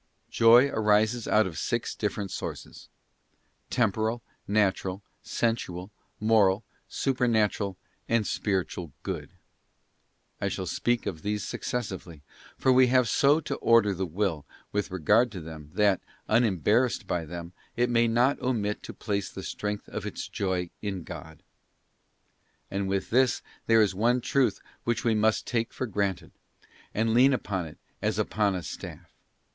Joy arises out of six different sources; temporal, natural, sensual, moral, supernatural, and spiritual good. I shall speak of these successively, for we have so to order the Will with regard to them, that, unembarrassed by them, it may not omit to place the strength of its Joy in God. And with this there is one truth which we must take for granted, and lean upon it as upon a staff.